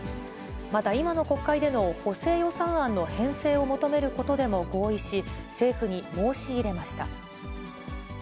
また、今の国会での補正予算案の編成を求めることでも合意し、政府に申し入れました。